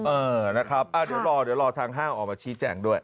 เออนะครับเดี๋ยวรอทางห้างออกมาชี้แจ่งด้วย